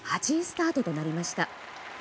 ８位スタートとなりました。